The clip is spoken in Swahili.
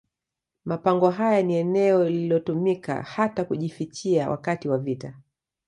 Mapango haya ni eneo lililotumika hata kujifichia wakati wa vita